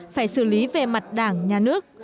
phải xử lý về mặt đảng nhà nước